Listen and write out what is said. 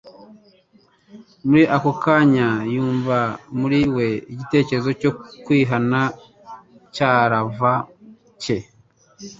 muri ako kanya yumva muri we igitekerezo cyo kwihana icyalva cye.